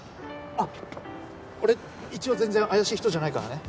あっ俺一応全然怪しい人じゃないからね。